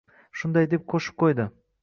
shunday deb qo‘shib qo‘ydi: